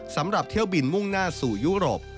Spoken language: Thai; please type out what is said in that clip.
สำหรับเที่ยวบินมุ่งหน้าสู่ยุโรป